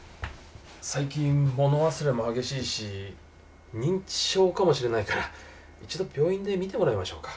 最近物忘れも激しいし認知症かもしれないから一度病院で診てもらいましょうか。